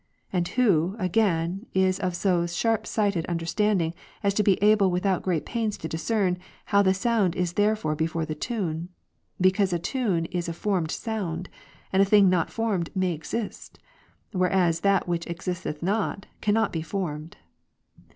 Andwho, again, is of so sharpsighted understanding, as to be able without great pains to discern, how the sound is therefore before the tune ; because a tune is a formed sound ; and a thing not formed, may exist ; whereas that which existeth not, cannot be formed.